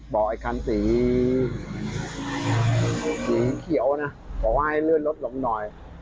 บอกไอ้คันสีสีเขียวนะบอกว่าให้เลื่อนรถลงหน่อย